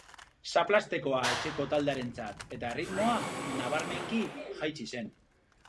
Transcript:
Zaplastekoa etxeko taldearentzat eta erritmoa nabarmenki jaitsi zen.